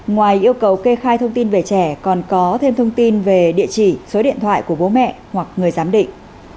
ngoài yêu cầu kê khai thông tin về trẻ còn có thêm thông tin về địa chỉ số điện thoại của bố mẹ hoặc người giám định